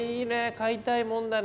買いたいもんだね。